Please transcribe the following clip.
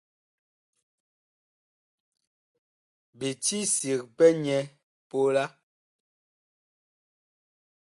Bi ti sig pɛ nyɛ pola.